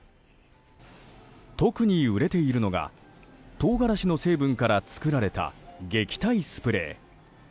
特に売れているのがトウガラシの成分から作られた撃退スプレー。